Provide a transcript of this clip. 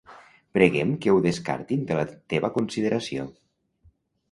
Preguem que ho descartin de la teva consideració.